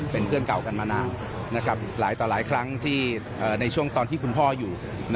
เป็นเพื่อนเก่ากันมานานหลายต่อหลายครั้งในช่วงตอนที่คุณพ่ออยู่